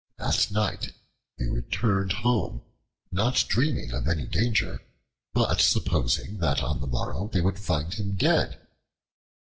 At night they returned home, not dreaming of any danger, but supposing that on the morrow they would find him dead.